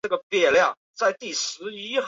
江南水乡青云镇上的黄府是本地首富。